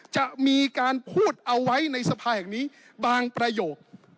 จะมีการพูดเอาไว้ในสภาแห่งนี้บางประโยค